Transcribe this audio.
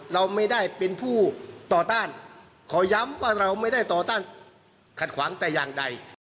เราไม่ได้เป็นผู้ต่อต้านขอย้ำว่าเราไม่ได้ต่อต้านขัดขวางแต่อย่างใด